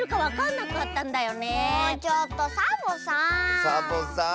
ちょっとサボさん！